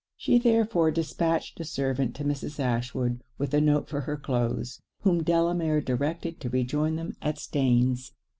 She therefore dispatched a servant to Mrs. Ashwood with a note for her cloaths, whom Delamere directed to rejoin them at Staines.